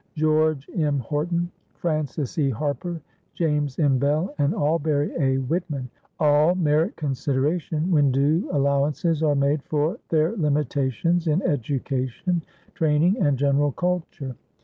George M. Horton, Frances E. Harper, James M. Bell and Alberry A. Whitman, all merit consideration when due allowances are made for their limitations in education, training and general culture.